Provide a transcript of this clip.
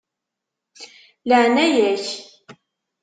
Laεnaya-k.